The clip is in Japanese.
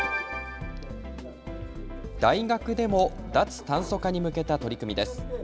大学でも脱炭素化に向けた取り組みです。